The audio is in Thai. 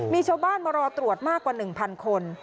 มีชาวบ้านมารอตรวจมากกว่า๑๐๐คน